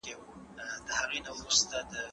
جګړه د ماشومانو راتلونکی خرابوي.